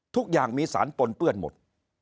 ทุกอย่างมีสารปนเปื้อนหมด